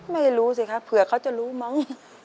ไม่รู้สิครับเผื่อเขาจะรู้มั้ง